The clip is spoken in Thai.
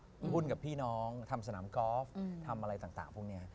หุ้นกับพี่น้องทำสนามกอล์ฟทำอะไรต่างพวกนี้